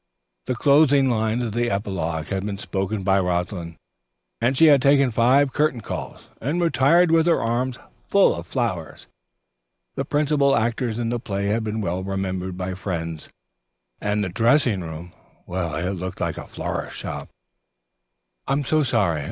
The closing line of the Epilogue had been spoken by Rosalind, and she had taken five curtain calls and retired with her arms full of flowers. The principal actors in the play had been well remembered by friends, and the dressing rooms looked like a florist's shop. "I'm so sorry.